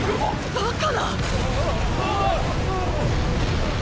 バカな！